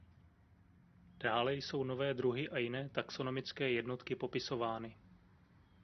Dále jsou nové druhy a jiné taxonomické jednotky popisovány.